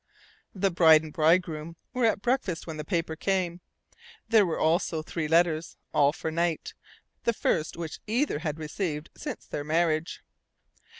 The bride and bridegroom were at breakfast when the paper came. There were also three letters, all for Knight, the first which either had received since their marriage.